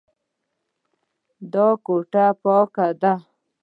دا کوټه پاکه ده.